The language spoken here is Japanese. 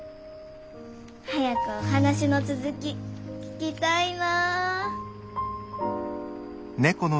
早くお話の続き聞きたいな。